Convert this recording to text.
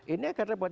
ini akan repot